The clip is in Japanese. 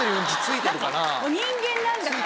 人間なんだから。